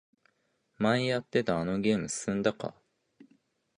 前やってたあのゲーム進んだか？